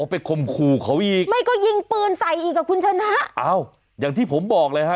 ไปข่มขู่เขาอีกไม่ก็ยิงปืนใส่อีกอ่ะคุณชนะอ้าวอย่างที่ผมบอกเลยฮะ